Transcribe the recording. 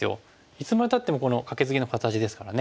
いつまでたってもこのカケツギの形ですからね。